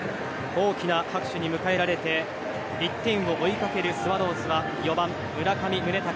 大きな拍手に迎えられて１点を追いかけるスワローズは４番、村上宗隆